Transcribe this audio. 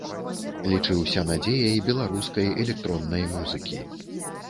Лічышся надзеяй беларускай электроннай музыкі.